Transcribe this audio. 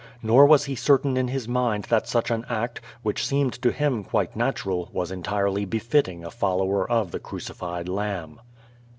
Nor was he certain in his mind that such an act, which seemed to him quite natural, was entirely befitting a follower of the Crucified Lamb.